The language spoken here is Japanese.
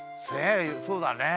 そうだね。